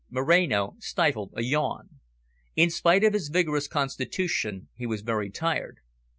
Moreno stifled a yawn. In spite of his vigorous constitution, he was very tired.